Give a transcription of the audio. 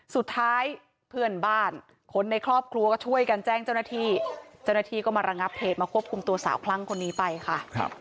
สุดท้ายเพื่อนบ้านคนในครอบครัวก็ช่วยกันแจ้งเจ้าหน้าที่เจ้าหน้าที่ก็มาระงับเหตุมาควบคุมตัวสาวคลั่งคนนี้ไปค่ะ